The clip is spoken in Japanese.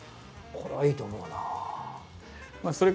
これはいいと思うなぁ。